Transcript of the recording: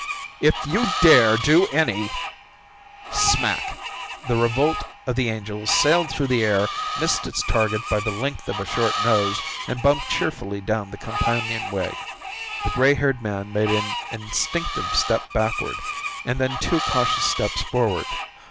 "If you dare do any " Smack! The Revolt of the Angels sailed through the air, missed its target by the length of a short nose, and bumped cheerfully down the companionway. The gray haired man made an instinctive step backward and then two cautious steps forward.